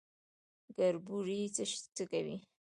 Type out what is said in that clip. کربوړی څه کوي؟